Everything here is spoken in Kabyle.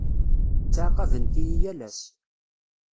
Ttɛaqabent-iyi yal ass.